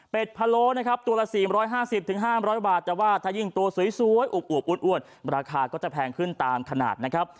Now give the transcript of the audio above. เป็นพะโลนะครับตัวละ๔๕๐๕๐๐บาทแต่ว่าถ้ายิ่งตัวสวยอวบอ้วนราคาก็จะแพงขึ้นตามขนาดนะครับ